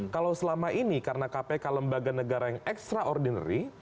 kalau selama ini karena kpk lembaga negara yang extraordinary